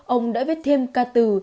ông đã viết thêm ca từ